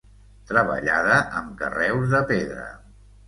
Treballada amb carreus de pedra.